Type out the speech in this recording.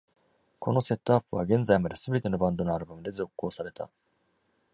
このセットアップは現在まで全てのバンドのアルバムで続行された。